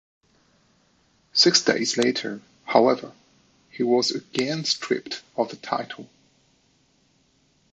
Six days later, however, he was again stripped of the title.